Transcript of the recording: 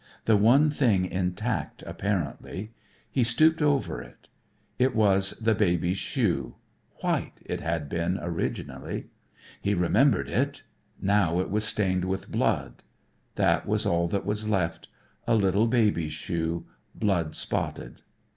The one thing intact apparently. He stooped over it. It was the baby's shoe white, it had been originally. He remembered it. Now it was stained with blood. That was all that was left a little baby's shoe, blood spotted.